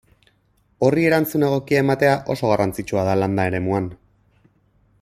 Horri erantzun egokia ematea oso garrantzitsua da landa eremuan.